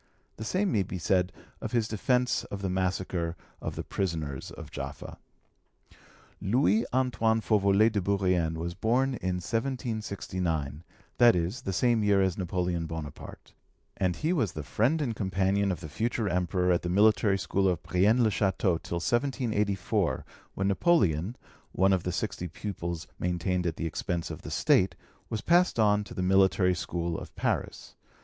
The same may be said of his defence of the massacre of the prisoners of Jaffa. Louis Antoine Fauvelet de Bourrienne was born in 1769, that is, in the same year as Napoleon Bonaparte, and he was the friend and companion of the future Emperor at the military school of Brienne le Chateau till 1784, when Napoleon, one of the sixty pupils maintained at the expense of the State, was passed on to the Military School of Paris.